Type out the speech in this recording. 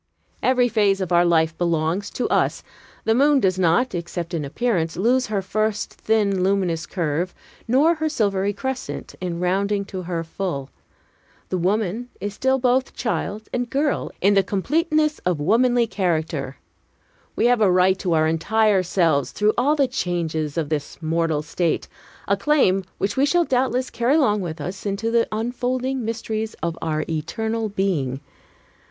Every phase of our life belongs to us. The moon does not, except in appearance, lose her first thin, luminous curve, nor her silvery crescent, in rounding to her full. The woman is still both child and girl, in the completeness of womanly character. We have a right to our entire selves, through all the changes of this mortal state, a claim which we shall doubtless carry along with us into the unfolding mysteries of our eternal being.